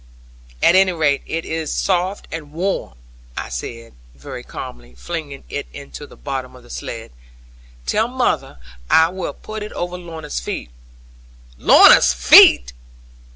'At any rate it is soft and warm,' said I, very calmly flinging it into the bottom of the sledd. 'Tell mother I will put it over Lorna's feet.' 'Lorna's feet!